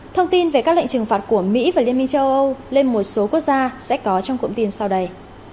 thông tin về các lệnh trừng phạt của mỹ và liên minh châu âu lên một số quốc gia sẽ có trong cụm tin sau đây